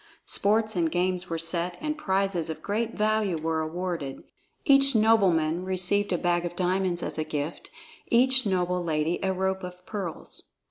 Sports and games were set, and prizes of great value were awarded. Each nobleman received a bag of diamonds as a gift, each noble lady a rope of pearls.